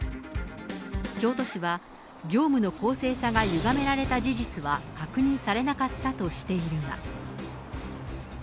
京都市は業務の公正さがゆがめられた事実は確認されなかったとしているが。